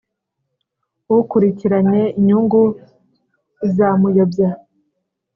ukurikiranye inyungu, izamuyobya.